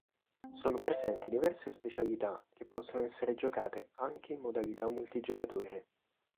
Sono presenti diverse specialità che possono essere giocate anche in modalità multigiocatore.